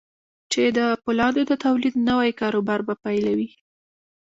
چې د پولادو د توليد نوي کاروبار به پيلوي.